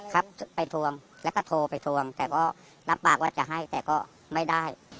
ครับไปทวงแล้วก็โทรไปทวงแต่ก็รับปากว่าจะให้แต่ก็ไม่ได้